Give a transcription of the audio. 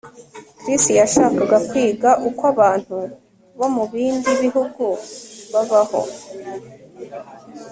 Chris yashakaga kwiga uko abantu bo mubindi bihugu babaho